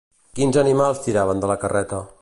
Quins animals tiraven de la carreta?